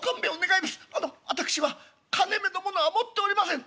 あの私は金めのものは持っておりません」。